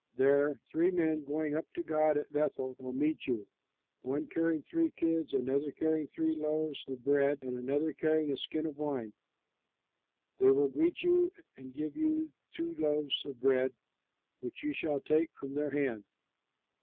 There three men going up to God at Bethel will meet you, one carrying three kids, another carrying three loaves of bread, and another carrying a skin of wine. They will greet you and give you two loaves of bread which you shall take from their hand.